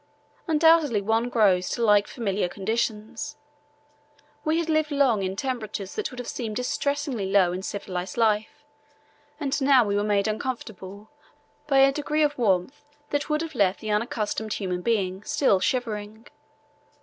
Undoubtedly one grows to like familiar conditions. We had lived long in temperatures that would have seemed distressingly low in civilized life, and now we were made uncomfortable by a degree of warmth that would have left the unaccustomed human being still shivering.